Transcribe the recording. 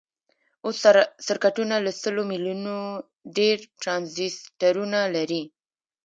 اوس سرکټونه له سلو میلیونو ډیر ټرانزیسټرونه لري.